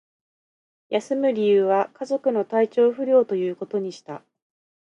休む理由は、家族の体調不良ということにした